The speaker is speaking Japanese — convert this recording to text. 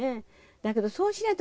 だけどそうしないと、